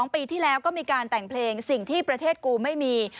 ปีที่แล้วก็มีการแต่งเพลงสิ่งที่ประเทศกูไม่มี